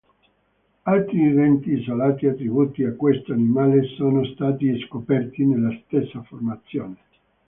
Altri denti isolati attribuiti a questo animale sono stati scoperti nella stessa formazione.